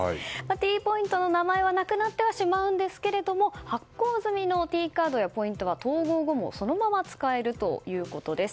Ｔポイントの名前はなくなってはしまうんですが発行済みのＴカードやポイントは統合後もそのまま使えるということです。